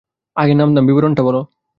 আগে নাম-ধাম-বিবরণটা বলো।